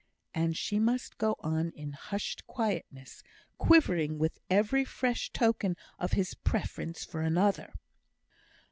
And she must go on in hushed quietness, quivering with every fresh token of his preference for another!